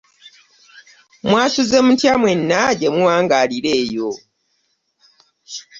Mwasuze mutya mwenna gye muwangaalira eyo?